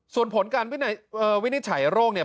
ส่วนผลการวินิจฉัยโรคเนี่ย